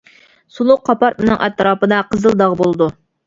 سۇلۇق قاپارتمىنىڭ ئەتراپىدا قىزىل داغ بولىدۇ.